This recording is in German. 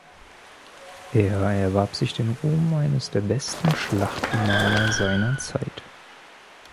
Er erwarb sich den Ruhm eines der besten Schlachtenmaler seiner Zeit.